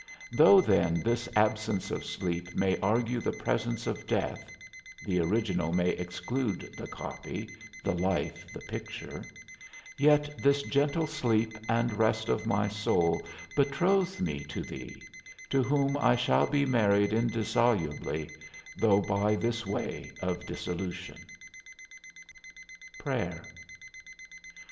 Though then this absence of sleep may argue the presence of death (the original may exclude the copy, the life the picture), yet this gentle sleep and rest of my soul betroths me to thee, to whom I shall be married indissolubly, though by this way of dissolution. XV. PRAYER.